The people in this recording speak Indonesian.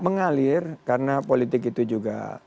mengalir karena politik itu juga sangat calon